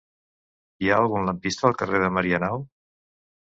Hi ha algun lampista al carrer de Marianao?